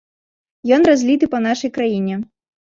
Ён разліты па нашай краіне.